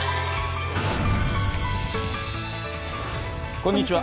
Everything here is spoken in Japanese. こんにちは。